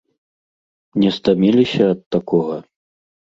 Не стаміліся ад такога?